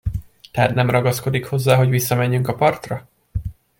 Tehát nem ragaszkodik hozzá, hogy visszamenjünk a partra?